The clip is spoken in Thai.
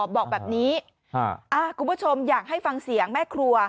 บอกแบบนี้คุณผู้ชมอยากให้ฟังเสียงแม่ครัว